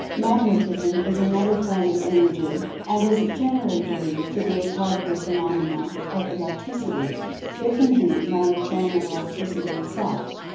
Magnetism is another form of Energy, and is generally believed to be a part of the phenomena of Electricity, if indeed, not a form of Electricity itself.